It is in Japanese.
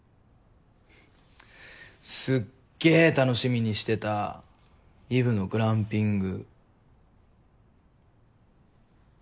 すっげぇ楽しみにしてたイブのグランピング。